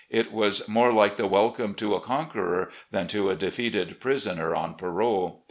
It was more like the welcome to a conqueror than to a defeated prisoner on parole.